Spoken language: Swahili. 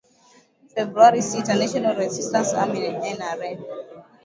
februari sita national resistance army nra